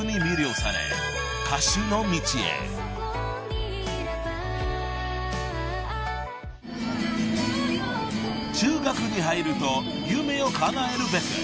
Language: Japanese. ［中学に入ると夢をかなえるべく］